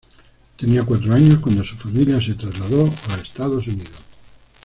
Tenía cuatro años cuando su familia se trasladó a Estados Unidos.